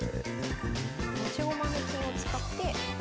持ち駒の金を使って。